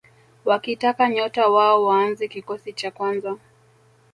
wakitaka nyota wao waanze kikosi cha kwanza